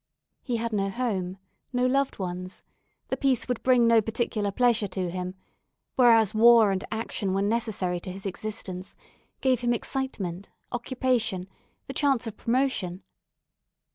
He had no home, no loved friends; the peace would bring no particular pleasure to him, whereas war and action were necessary to his existence, gave him excitement, occupation, the chance of promotion.